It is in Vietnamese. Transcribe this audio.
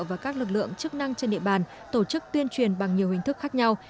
và các lực lượng chức năng trên địa bàn tổ chức tuyên truyền bằng nhiều hình thức khác nhau